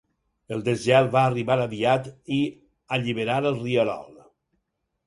El desgel va arribar aviat i alliberar el rierol.